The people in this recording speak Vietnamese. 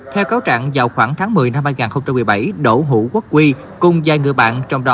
theo cáo trạng vào khoảng tháng một mươi năm hai nghìn một mươi bảy đỗ hữu quốc huy cùng giai ngựa bạn